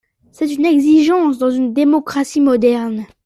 C’est une exigence dans une démocratie moderne.